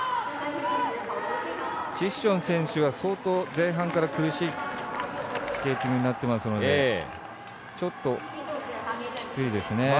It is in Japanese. チシュチョン選手は相当前半から苦しいスケーティングになってますのでちょっときついですね。